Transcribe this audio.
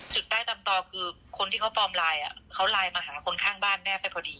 จุดใต้ตามต่อคือคนที่เขาปลอมไลน์เขาไลน์มาหาคนข้างบ้านแม่ไปพอดี